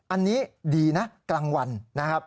อันนี้ดีนะกลางวันนะครับ